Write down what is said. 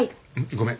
ごめん。